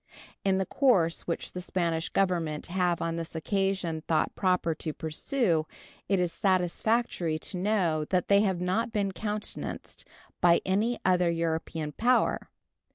In the course which the Spanish Government have on this occasion thought proper to pursue it is satisfactory to know that they have not been countenanced by any other European power.